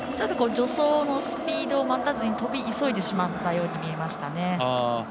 助走のスピード待たずに跳び急いでしまったように見えましたね。